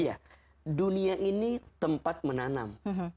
iya dunia ini tempat menanam